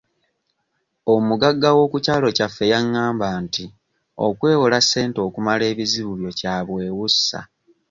Omugagga w'okukyalo kyaffe yangamba nti okwewola ssente okumala ebizibu byo kya bwewussa.